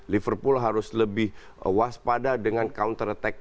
liverpool harus lebih waspada dengan counter attack